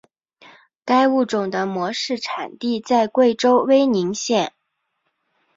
该物种的模式产地在贵州威宁县。